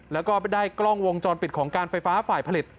แล้วก็ได้กล้องวงจรปิดของการไฟฟ้าฝ่ายผลิต